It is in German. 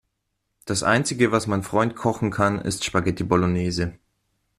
Das Einzige, was mein Freund kochen kann, ist Spaghetti Bolognese.